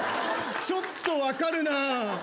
ちょっと分かるな。